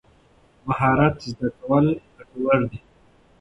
مهارت زده کول ګټور دي.